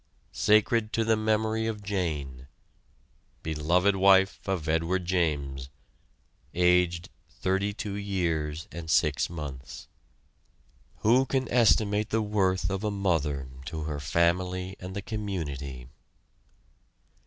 SACRED TO THE MEMORY OF JANE BELOVED WIFE OF EDWARD JAMES. AGED 32 YEARS AND 6 MONTHS. Who can estimate the worth of a mother to her family and the community?